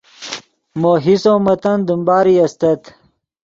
مو حصو متن دیم باری استت